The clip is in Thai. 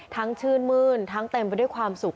ชื่นมื้นทั้งเต็มไปด้วยความสุข